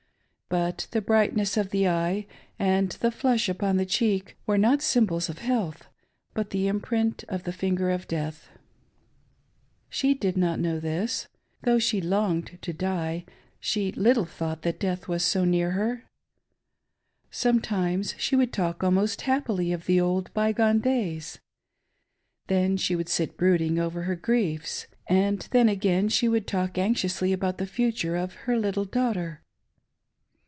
But the brightness of the eye, and the flush upon the cheek, were not symbols of health, but the imprint of the finger of death. She did not know this. Though she longed to die, she little thought that death was so near her. Sometimes she would talk almost happily of the old by goae days ; then she would sit brooding over her griefs ; and then again she would talk anxiously about the future of her little daughter.